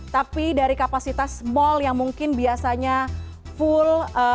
tapi dari kapasitas mal yang mungkin biasanya full